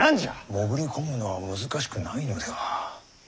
潜り込むのは難しくないのでは。